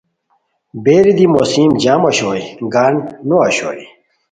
بیری دی موسم جم اوشوئے گان نو اوشوئے